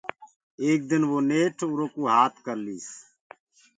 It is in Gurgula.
ايڪ دن وو نيٺ اُرو ڪوُ هآت ڪرليس۔